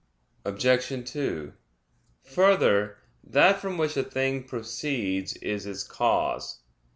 Obj. 2: Further, that from which a thing proceeds is its cause.